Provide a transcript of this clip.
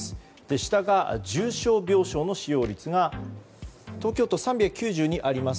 下が重症病床の使用率が東京都、３９２あります。